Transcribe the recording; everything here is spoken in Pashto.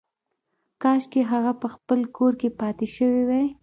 کاشکې هغه په خپل کور کې پاتې شوې وای